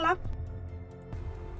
trà thị tuyết sương